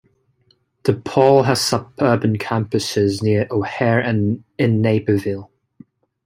DePaul has suburban campuses near O'Hare and in Naperville.